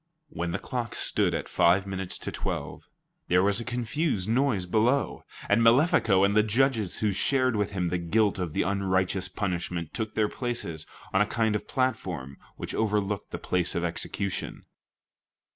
When the clock stood at five minutes to twelve, there was a confused noise below, and Malefico and the judges who shared with him the guilt of the unrighteous punishment took their places on a kind of platform which overlooked the place of execution.